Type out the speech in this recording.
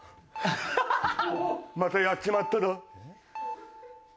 またやっちまっただ。